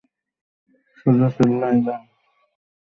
সোজা চেন্নাই যাও।